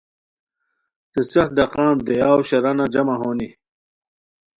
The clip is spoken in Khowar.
څیڅیق ڈفان دیاؤ شرانہ جمع ہونی